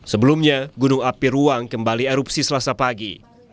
sebelumnya gunung api ruang kembali erupsi selasa pagi